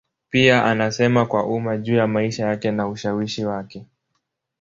Pia anasema kwa umma juu ya maisha yake na ushawishi wake.